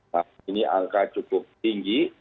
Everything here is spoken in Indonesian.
nah ini angka cukup tinggi